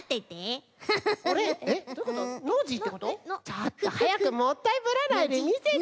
ちょっとはやくもったいぶらないでみせてよ！